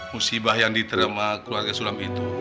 musibah yang diterima keluarga sulam itu